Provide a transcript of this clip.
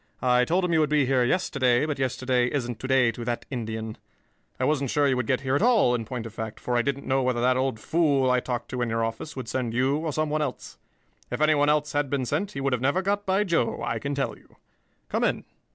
I told him you would be here yesterday, but yesterday isn't to day to that Indian. I wasn't sure you would get here at all, in point of fact, for I didn't know whether that old fool I talked to in your office would send you or some one else. If anyone else had been sent, he would have never got by Joe, I can tell you. Come in.